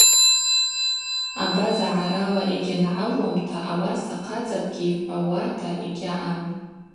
Абазагӏарала йгьангӏалуамта, ауаса хъацӏакӏгьи йхӏвауата йгьаъам.